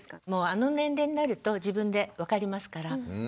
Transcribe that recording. あの年齢になると自分で分かりますから。